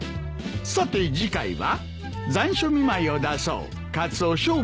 さて次回は。